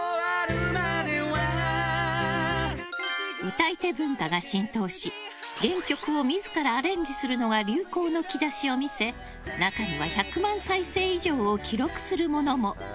歌い手文化が浸透し原曲を自らアレンジするのが流行の兆しを見せ中には１００万再生以上を記録するものも。